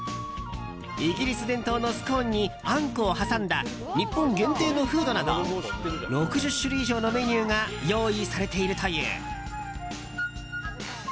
イギリス伝統のスコーンにあんこを挟んだ日本限定のフードなど６０種類以上のメニューが用意されているという。